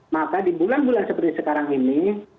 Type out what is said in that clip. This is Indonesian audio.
maka di bulan bulan seperti sekarang ini